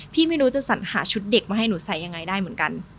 ไม่รู้จะสัญหาชุดเด็กมาให้หนูใส่ยังไงได้เหมือนกัน